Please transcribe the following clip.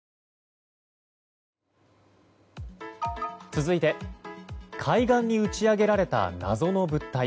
続いて海岸に打ち上げられた謎の物体。